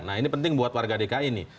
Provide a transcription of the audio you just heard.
nah ini penting buat warga dki nih